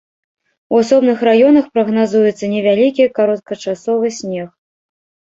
У асобных раёнах прагназуецца невялікі кароткачасовы снег.